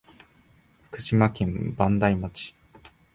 福島県磐梯町